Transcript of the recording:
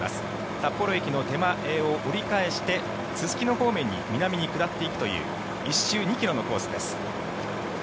札幌駅の手前を折り返してすすきの方面に南に下っていくという１周２ｋｍのコースです。